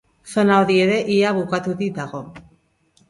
Zona hori ere ia bukaturik dago.